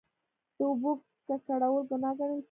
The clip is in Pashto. د اوبو ککړول ګناه ګڼل کیږي.